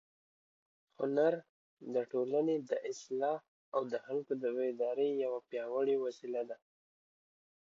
هنر د ټولنې د اصلاح او د خلکو د بیدارۍ یوه پیاوړې وسیله ده.